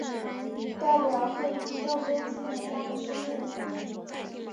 代表会主动攻击玩家的生物。